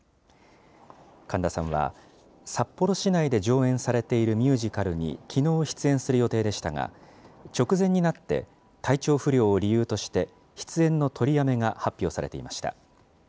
神田さんは、札幌市内で上演されているミュージカルにきのう出演する予定でしたが、直前になって、体調不良を理由として、出演の取りやめが発表されていました。